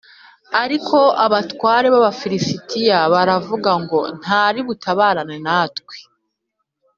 ariko abatware b’abafilisitiya baravuze ngo ‘ntari butabarane natwe’